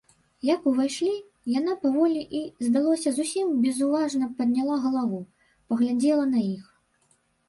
Як увайшлі, яна паволі і, здалося, зусім безуважна падняла галаву, паглядзела на іх.